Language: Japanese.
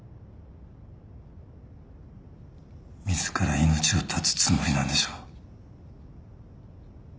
自ら命を絶つつもりなんでしょ？